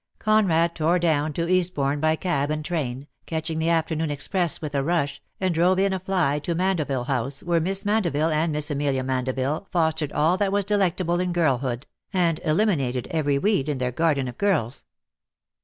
Conrad tore down to Eastbourne by cab and train, catching the afternoon express with a rush, and drove in a fly to Mandeville House, where Miss Mandeville and Miss AmeHa Mandeville fostered all that was delectable in girlhood, and eliminated every weed in their garden of girls.